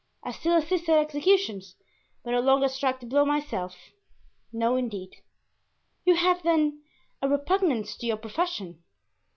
I still assist at executions, but no longer strike the blow myself—no, indeed." "You have, then, a repugnance to your profession?"